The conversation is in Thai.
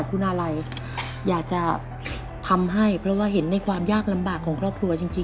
ซึ่งปัจจุบันนี้นะครับเล่นอยู่กับสโมสร